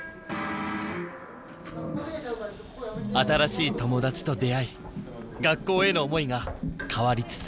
新しい友達と出会い学校への思いが変わりつつあります。